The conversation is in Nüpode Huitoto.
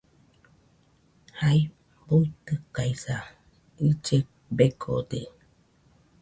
Jai buitɨkaɨsa , ille begode.